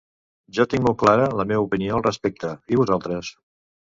Jo tinc molt clara la meva opinió al respecte, i vosaltres?